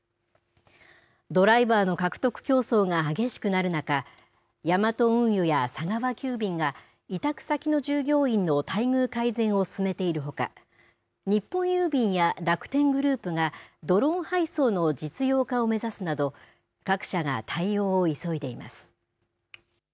ドライバーの獲得競争が激しくなる中ヤマト運輸や佐川急便が委託先の従業員の待遇改善を進めているほか日本郵便や楽天グループがドローン配送の実用化を目指すなど各社が対応を急いでいます。